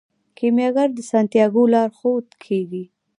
کیمیاګر د سانتیاګو لارښود کیږي.